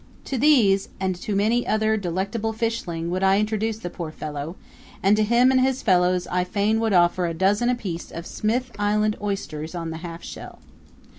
To these and to many another delectable fishling, would I introduce the poor fellow; and to him and his fellows I fain would offer a dozen apiece of Smith Island oysters on the half shell.